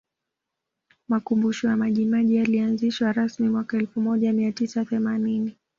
Makumbusho ya Majimaji yalianzishwa rasmi mwaka elfu moja mia tisa themanini